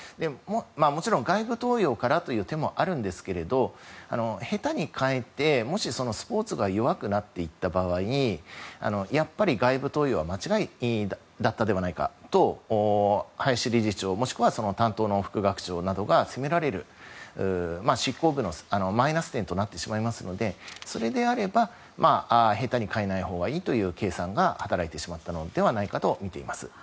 もちろん外部登用からという手もあるんですけれども下手に代えてもし、スポーツが弱くなった場合やっぱり外部登用は間違いだったのではないかと林理事長もしくは担当の副学長などが責められる執行部のマイナス点となってしまいますのでそれであれば下手に代えないほうがいいという計算が働いてしまったのではないかとみています。